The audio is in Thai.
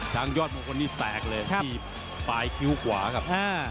ยอดมงคลนี่แตกเลยที่ปลายคิ้วขวาครับ